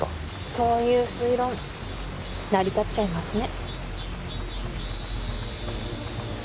そういう推論成り立っちゃいますね